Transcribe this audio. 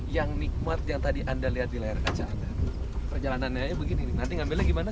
yang nikmat yang tadi anda lihat di layar kaca anda perjalanannya begini nanti ngambilnya gimana